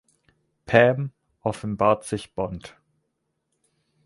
Pam offenbart sich Bond.